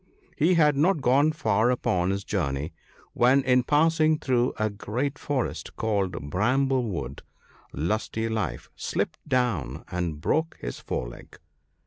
He had not gone far upon his journey when in passing through a great forest called Bramble wood, Lusty life slipped down and broke his foreleg.